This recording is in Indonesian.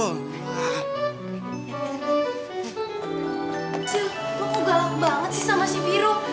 sil kok lu galak banget sih sama si firo